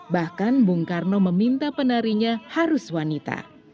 bahkan bung karno meminta penarinya harus wanita